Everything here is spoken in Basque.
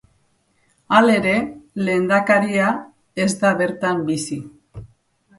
Halere, lehendakaria ez da bertan bizi.